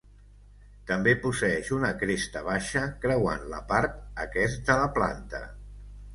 També posseeix una cresta baixa creuant la part aquest de la planta.